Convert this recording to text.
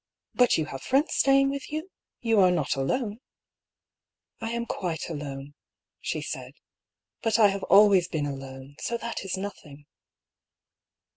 " But you have friends staying with you ? You are not alone ?"" I am quite alone," she said. " But I have always been alone, so that is nothing."